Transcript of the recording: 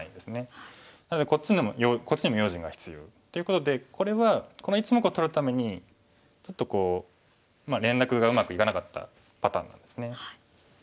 なのでこっちにも用心が必要。ということでこれはこの１目を取るためにちょっとこう連絡がうまくいかなかったパターンなんですね。